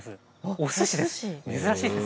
おすしです。